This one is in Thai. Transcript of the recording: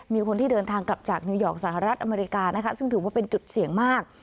มีคนที่เดินทางกลับจากนิวยอร์กสหรัฐอเมริกานะคะซึ่งถือว่าเป็นจุดเสี่ยงมาก